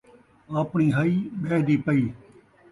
آپݨی ہئی، ٻئے دی پئی